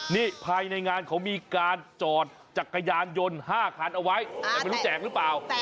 นี่ภายในงานเขามีการจอดจักรยานยนต์๕คันเอาไว้แต่ไม่รู้แจกหรือเปล่า